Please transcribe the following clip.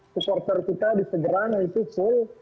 supporter kita di segera naik itu full